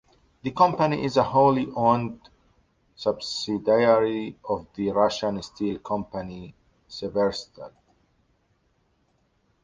The company is a wholly owned subsidiary of the Russian steel company Severstal.